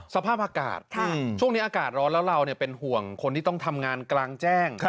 สภาพอากาศช่วงนี้อากาศร้อนแล้วเราเป็นห่วงคนที่ต้องทำงานกลางแจ้ง